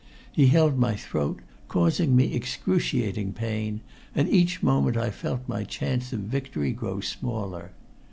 He held my throat, causing me excruciating pain, and each moment I felt my chance of victory grow smaller.